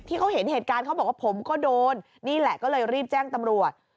ที่เขาเห็นเหตุการณ์เขาบอกว่าผมก็โดนนี่แหละก็เลยรีบแจ้งตำรวจ